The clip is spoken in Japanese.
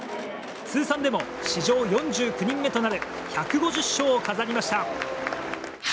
通算でも史上４９人目となる１５０勝を飾りました。